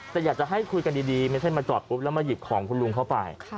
แต่อยากจะให้คุยกันดีไม่ใช่มาจอดปุ๊บแล้วมาหยิบของคุณลุงเข้าไป